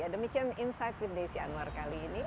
demikian insight with desi anwar kali ini